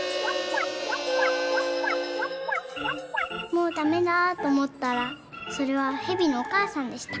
「もうダメだとおもったらそれはへびのおかあさんでした。